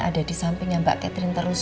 ada di sampingnya mbak catherine terus